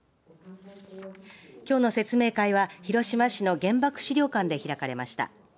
きょうの説明会は広島市の原爆資料館で開かれました。